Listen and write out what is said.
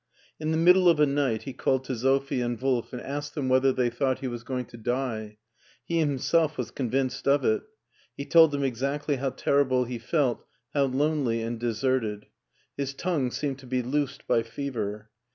In the middle of a night he called to Sophie and Wolf, and asked them whether they thought he was going to die. He himself was convinced of it. He told them exactly how terrible he felt, how lonely and deserted. His tongue seemed to be loosed by fever.